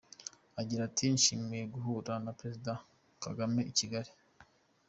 Agira ati "Nishimiye guhura na Perezida Kagame i Kigali.